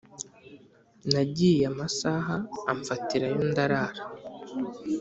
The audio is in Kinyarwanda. Nagiye amasaha amfatirayo ndarara